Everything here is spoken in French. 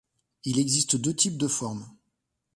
Il existe deux types de formes.